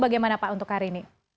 bagaimana pak untuk hari ini